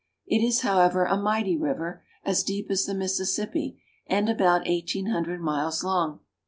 It is, however, a mighty river, as deep as the Mississippi, and about eighteen hundred miles long.